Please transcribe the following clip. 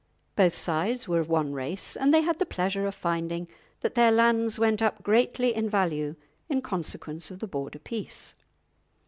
Both sides were of one race; and they had the pleasure of finding that their lands went up greatly in value in consequence of the Border peace.